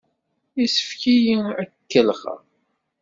Yessefk-iyi ad k-kellexeɣ!